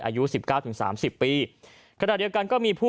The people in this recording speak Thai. อายุสิบเก้าถึงสามสิบปีขณะเดียวกันก็มีผู้